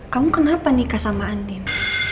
kamu kenapa nikah sama andin